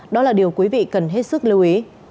đó là điều quý vị cần hết sức lưu ý